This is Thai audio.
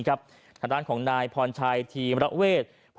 ทางด้านของนายพรชัยธีมระเวท